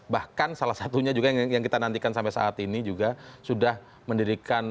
bahkan salah satunya juga yang kita nantikan sampai saat ini juga sudah mendirikan